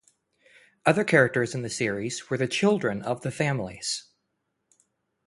Other characters in the series were the children of the families.